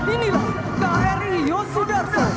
inilah kri yosudarto